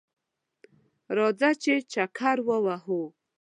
راځه ! چې چکر ووهو